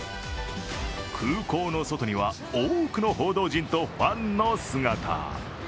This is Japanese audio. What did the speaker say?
空港の外には多くの報道陣とファンの姿。